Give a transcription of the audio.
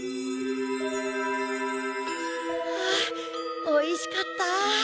ああおいしかった。